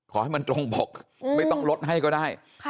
ขอให้มันตรงบกไม่ต้องลดให้ก็ได้